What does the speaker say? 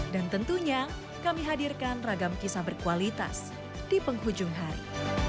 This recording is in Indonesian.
dan tentunya kami hadirkan ragam kisah berkualitas di penghujung hari